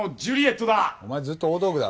お前ずっと大道具だろ。